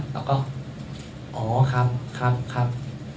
เราก็อ๋อครับครับครับ